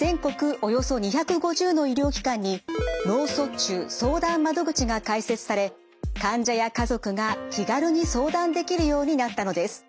およそ２５０の医療機関に脳卒中相談窓口が開設され患者や家族が気軽に相談できるようになったのです。